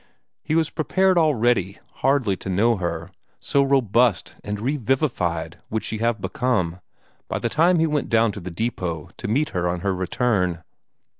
He was prepared already hardly to know her, so robust and revivified would she have become, by the time he went down to the depot to meet her on her return.